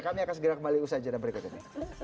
kami akan segera kembali bersajaran berikutnya